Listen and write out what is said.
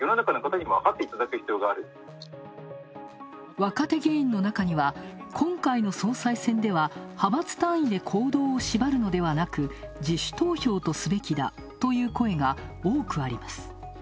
若手議員の中には、今回の総裁選では、派閥単位で行動を縛るのではなく、自主投票すべきだとする声が多くあります。